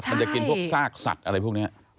มันจะกินพวกซากสัตว์อะไรพวกนี้